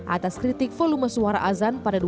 atas kritik volume suara azan pada dua ribu dua